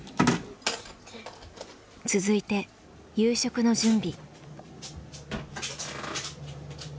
続いて夕食の準備。